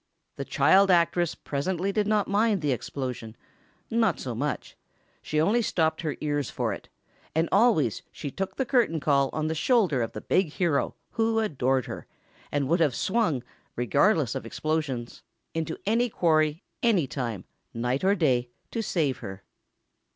The child actress presently did not mind the explosion—not so much—she only stopped her ears for it, and always she took the curtain call on the shoulder of the big hero, who adored her, and would have swung, regardless of explosions, into any quarry, any time, night or day, to save her.